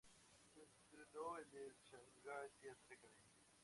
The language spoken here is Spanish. Se entrenó en el "Shanghai Theatre Academy".